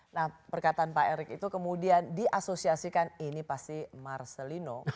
nah perkataan pak erick itu kemudian diasosiasikan ini pasti marcelino